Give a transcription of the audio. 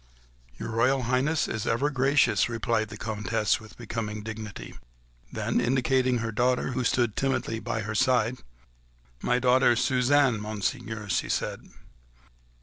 "Your Royal Highness is ever gracious," replied the Comtesse with becoming dignity. Then, indicating her daughter, who stood timidly by her side: "My daughter Suzanne, Monseigneur," she said.